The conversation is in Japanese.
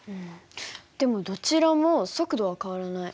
でもどちらも速度は変わらない。